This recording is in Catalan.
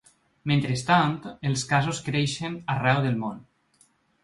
Mentrestant, els casos creixen arreu del món.